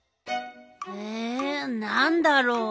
えなんだろう？